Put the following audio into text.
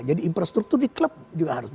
jadi infrastruktur di klub juga harus